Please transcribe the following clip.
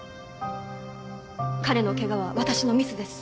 彼のケガは私のミスです。